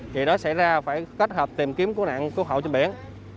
vì đó xảy ra phải kết hợp tìm kiếm cứu nạn cứu hậu trên biển